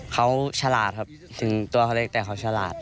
เขาชลาดครับถึงแบบนั้นผู้สายแต่เขาชลาด